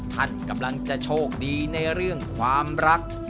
ท่านกำลังจะโชคดีในเรื่องความรัก